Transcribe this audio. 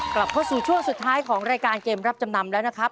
กลับเข้าสู่ช่วงสุดท้ายของรายการเกมรับจำนำแล้วนะครับ